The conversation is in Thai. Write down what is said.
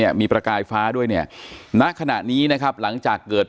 มีประกายฟ้าด้วยเนี่ยณขณะนี้นะครับหลังจากเกิด